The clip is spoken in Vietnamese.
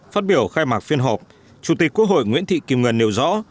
phát biểu khai mạc phiên họp chủ tịch quốc hội nguyễn thị kim ngân nêu rõ